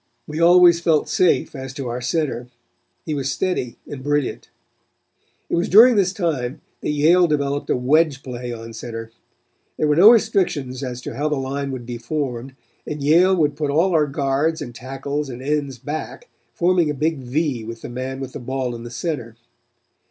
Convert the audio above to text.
We always felt safe as to our center. He was steady and brilliant. "It was during this time that Yale developed a wedge play on center. There were no restrictions as to how the line would be formed, and Yale would put all their guards and tackles and ends back, forming a big V with the man with the ball in the center.